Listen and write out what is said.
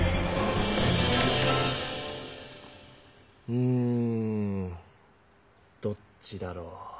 うんどっちだろう。